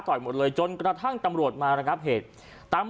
ก็แค่มีเรื่องเดียวให้มันพอแค่นี้เถอะ